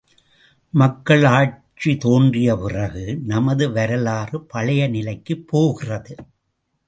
மக்களாட்சி தோன்றிய பிறகு நமது வரவாறு பழைய நிலைக்குப் போகிறது!